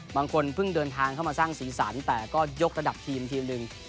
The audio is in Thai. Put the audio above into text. บางคนเพิ่งเดินทางเข้ามาสร้างสีสันแต่ก็ยกระดับทีมทีมหนึ่ง